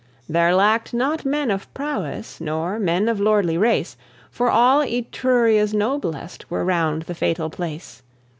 There lacked not men of prowess, Nor men of lordly race; For all Etruria's noblest Were round the fatal place.